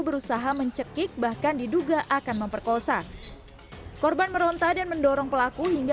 berusaha mencekik bahkan diduga akan memperkosa korban meronta dan mendorong pelaku hingga